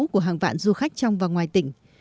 của hàng vạn du khách trong và ngoài tỉnh